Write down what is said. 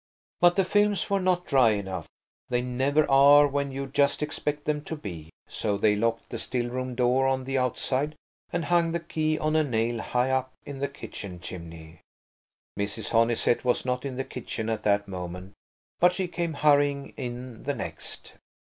But the films were not dry enough. They never are when you just expect them to be; so they locked the still room door on the outside and hung the key on a nail high up in the kitchen chimney. Mrs. Honeysett was not in the kitchen at that moment, but she came hurrying in the next.